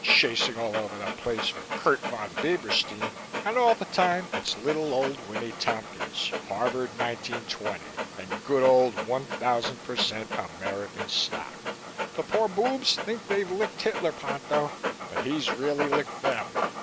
chasing all over the place for Kurt Von Bieberstein, and all the time it's little old Winnie Tompkins, Harvard 1920 and good old one thousand per cent American stock. The poor boobs think they've licked Hitler, Ponto, but he's really licked them.